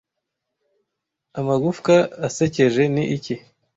Amagufwa asekeje ni iki